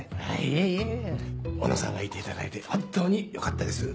いえいえ小野さんがいていただいて本当によかったです。